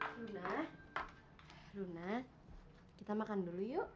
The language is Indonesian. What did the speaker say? luna luna kita makan dulu yuk